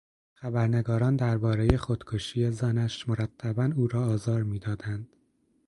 خبرنگاران دربارهی خودکشی زنش مرتبا او را آزار میدادند.